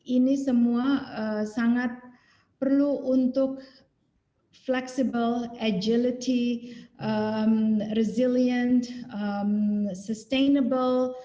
ini semua sangat perlu untuk flexible agility resilient sustainable